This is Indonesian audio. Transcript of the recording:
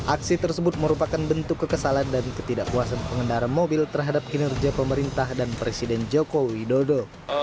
aksi tersebut merupakan bentuk kekesalan dan ketidakpuasan pengendara mobil terhadap kinerja pemerintah dan presiden joko widodo